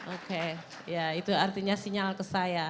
oke ya itu artinya sinyal ke saya